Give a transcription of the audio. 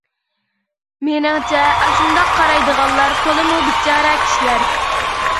مېنىڭچە ئاشۇنداق قارايدىغانلار تولىمۇ بىچارە كىشىلەر.